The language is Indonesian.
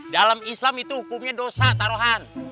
dalam islam itu hukumnya dosa taruhan